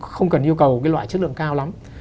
không cần yêu cầu cái loại chất lượng cao lắm